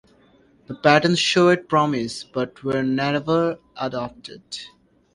The patterns showed promise but were never adopted.